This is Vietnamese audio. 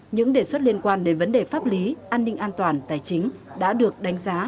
những đề xuất liên quan đến vấn đề pháp lý an ninh an toàn tài chính đã được đánh giá